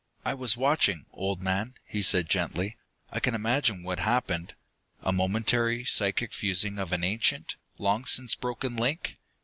"I was watching, old man," he said gently. "I can imagine what happened. A momentary, psychic fusing of an ancient, long since broken link.